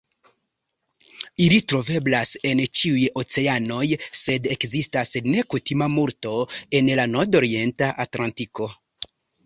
Ili troveblas en ĉiuj oceanoj, sed ekzistas nekutima multo en la nordorienta Atlantiko.